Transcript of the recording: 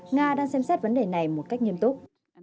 nga đang xem xét vấn đề này một cách nghiêm túc